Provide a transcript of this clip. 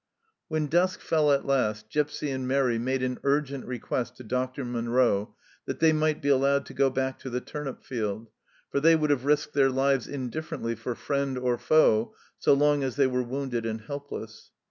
When dusk fell at last Gipsy and Mairi made an urgent request to Dr. Munro that they might be allowed to go back to the turnip field, for they would have risked their lives indifferently for friend or foe, so long as they were wounded and helpless.